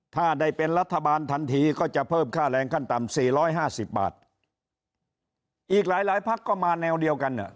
ถ้าได้เป็นรัฐบาลทันทีก็จะเพิ่มค่าแรงขั้นต่ำสี่ร้อยห้าสิบบาทอีกหลายหลายพักก็มาแนวเดียวกันอ่ะ